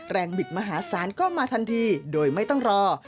บิดมหาศาลก็มาทันทีโดยไม่ต้องรอ